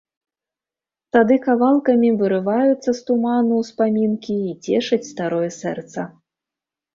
Тады кавалкамі вырываюцца з туману ўспамінкі і цешаць старое сэрца.